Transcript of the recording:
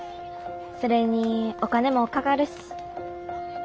それにお金もかかるし。